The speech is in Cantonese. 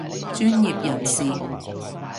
專業人士